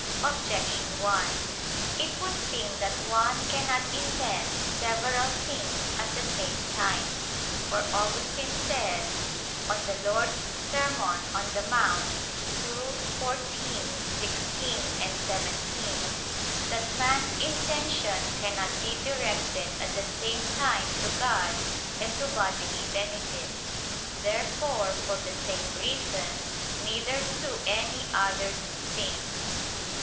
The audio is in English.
Objection 1: It would seem that one cannot intend several things at the same time. For Augustine says (De Serm. Dom. in Monte ii, 14, 16, 17) that man's intention cannot be directed at the same time to God and to bodily benefits. Therefore, for the same reason, neither to any other two things.